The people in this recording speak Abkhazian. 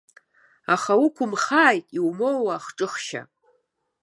Аха уқәымхааит иумоуа хҿыхшьа.